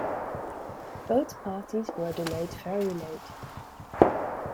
Both parties were delayed very late.